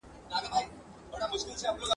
هره شېبه ولګېږي زر شمعي ..